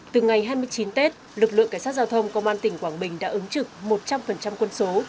từ ngày hai mươi chín tết lực lượng cảnh sát giao thông công an tỉnh quảng bình đã ứng trực một trăm linh quân số